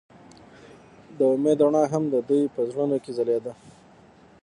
د امید رڼا هم د دوی په زړونو کې ځلېده.